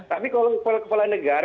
tapi kalau kepala negara